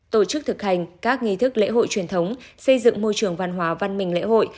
tổ chức thực hành các nghi thức lễ hội truyền thống xây dựng môi trường văn hóa văn minh lễ hội